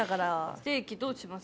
ステーキどうします？